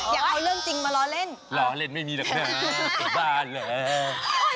อยากเอาเรื่องจริงมาล้อเล่นล้อเล่นไม่มีหลังจากน้ำฮ่าคุณบ้า